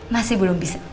masih belum bisa